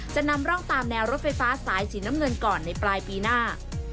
จะนำร่องตามแนวรถไฟฟ้าสายสีน้ำเงินก่อนในปลายปีหน้า